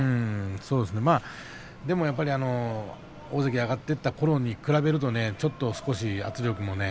そうですね、でも大関に上がっていったころに比べるとねちょっと少し圧力